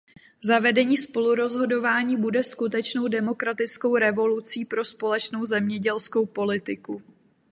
Zavedení spolurozhodování bude skutečnou demokratickou revolucí pro společnou zemědělskou politiku.